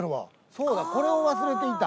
そうだこれを忘れていた。